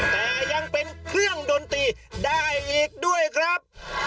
แต่ยังเป็นเครื่องดนตรีได้อีกด้วยครับ